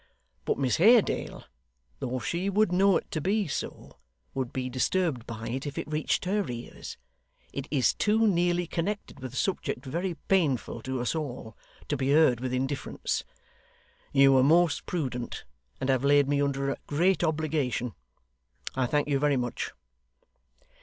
But Miss Haredale, though she would know it to be so, would be disturbed by it if it reached her ears; it is too nearly connected with a subject very painful to us all, to be heard with indifference. You were most prudent, and have laid me under a great obligation. I thank you very much.